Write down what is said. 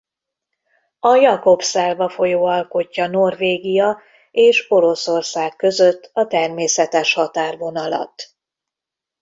A Jakobselva-folyó alkotja Norvégia és Oroszország között a természetes határvonalat.